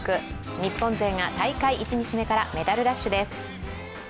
日本勢が大会１日目からメダルラッシュです。